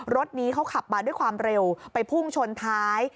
รถนี้เขาขับมาด้วยความเร็วไปพุ่งชนท้าย